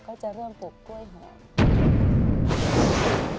ก็จะเริ่มปลูกกล้วยหอม